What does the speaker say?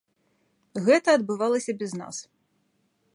Гэта адбывалася без нас.